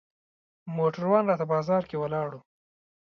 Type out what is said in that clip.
موټروان راته بازار کې ولاړ و.